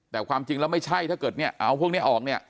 แต่ความจริงแล้วไม่ใช่ถ้าเกิดเนี่ยเอาพวกนี้ออกเนี่ย